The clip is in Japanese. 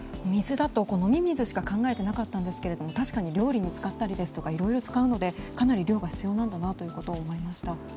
水だと飲み水しか考えてなかったんですけど確かに料理に使ったりですとかいろいろ使うのでかなり量が必要なんだなということを思いました。